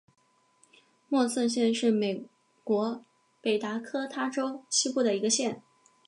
默瑟县是美国北达科他州西部的一个县。